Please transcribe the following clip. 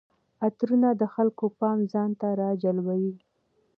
عطرونه د خلکو پام ځان ته راجلبوي.